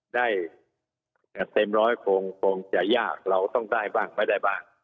ได้เต็มร้อยคงจะยากเราต้องได้บ้างไม่ได้บ้าง